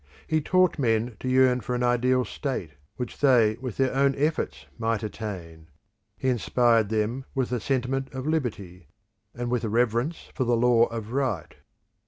He taught men to yearn for an ideal state, which they with their own efforts might attain; he inspired them with the sentiment of Liberty, and with a reverence for the Law of Right.